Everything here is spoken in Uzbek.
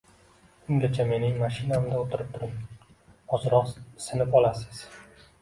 Ungacha mening mashinamda oʻtirib turing, ozroq isinib olasiz